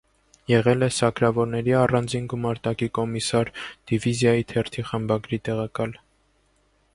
Եղել է սակրավորների առանձին գումարտակի կոմիսար, դիվիզիայի թերթի խմբագրի տեղակալ։